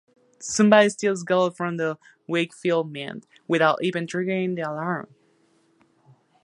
Somebody steals gold from the Wakefield Mint without even triggering the alarm.